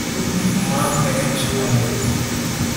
ku manga ya cyondo